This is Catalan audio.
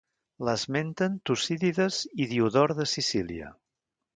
L'esmenten Tucídides i Diodor de Sicília.